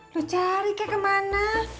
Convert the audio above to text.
lo cari kak kemana